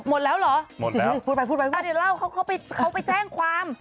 หมดแล้วเหรอหมดแล้วพูดไปอ่ะเดี๋ยวเล่าเขาไปแจ้งความ